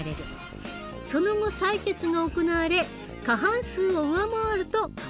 その後採決が行われ過半数を上回ると可決される。